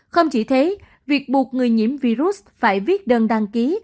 không chỉ thế việc buộc người nhiễm virus phải viết đơn đăng ký